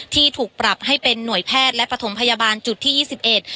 ที่ถูกปรับให้เป็นหน่วยแพทย์และปฐมพยาบาลจุดที่ยี่สิบเอ็ด